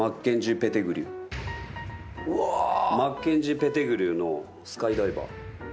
マッケンジーペテグリューのスカイダイバー。